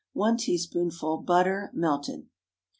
1 teaspoonful butter, melted.